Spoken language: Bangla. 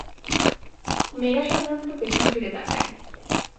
মেয়েরা সাধারণত পেছন ফিরে তাকায়।